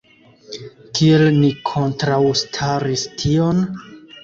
Kiel ni kontraŭstaris tion?